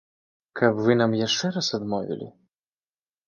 Каб вы нам яшчэ раз адмовілі?